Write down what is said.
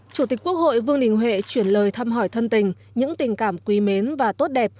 chủ tịch quốc hội vương đình huệ chuyển lời thăm hỏi thân tình những tình cảm quý mến và tốt đẹp